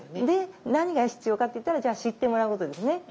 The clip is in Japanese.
で何が必要かっていったら知ってもらうことですね。